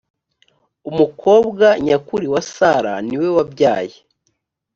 umukobwa nyakuri wa sara niwe wabyaye.